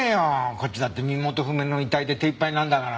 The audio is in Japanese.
こっちだって身元不明の遺体で手いっぱいなんだから。